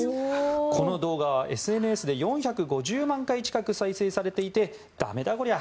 この動画はＳＮＳで４５０万回近く再生されていてだめだこりゃ。